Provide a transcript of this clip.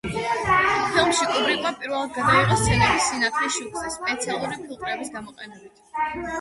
ფილმში კუბრიკმა პირველად გადაიღო სცენები სანთლის შუქზე, სპეციალური ფილტრების გამოყენებით.